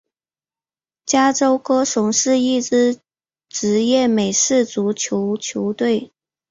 芝加哥熊是一支职业美式足球球队。